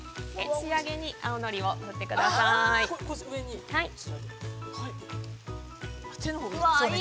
仕上げに青のりを振ってください。